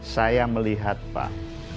saya melihat pak